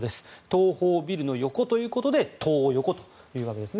東宝ビルの横ということでトー横というわけです。